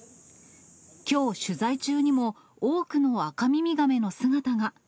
きょう取材中にも、多くのアカミミガメの姿が。